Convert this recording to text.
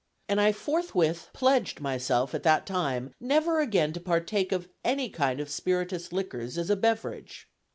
and I forthwith pledged myself at that time never again to partake of any kind of spirituous liquors as a beverage.